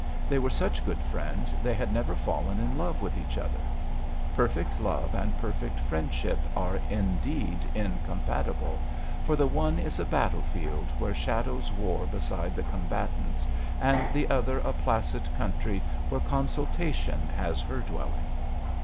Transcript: They were such good friends they had never fallen in love with each other. Perfect love and perfect friendship are indeed incompatible ; for the one is a battlefield where shadows war beside the combatants, and the other a placid country where Consultation has her dwelling.